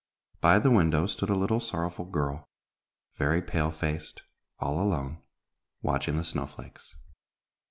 By the window stood a little, sorrowful girl, very pale faced, all alone, watching the snow flakes.